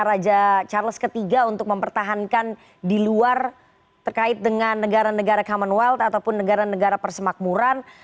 raja charles iii untuk mempertahankan di luar terkait dengan negara negara commonwealth ataupun negara negara persemakmuran